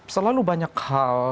selalu banyak hal